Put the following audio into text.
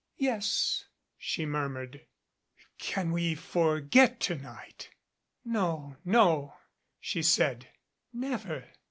"Yes," she murmured. "Can we forget to night " "No, no," she said. "Never.